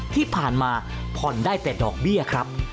ที่ผ่านมาผ่อนได้แต่ดอกเบี้ยครับ